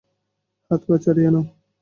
হাত-পা ছড়িয়ে নাও।